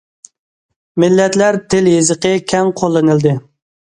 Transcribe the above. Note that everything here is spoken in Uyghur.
مىللەتلەر تىل- يېزىقى كەڭ قوللىنىلدى.